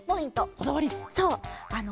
こだわり。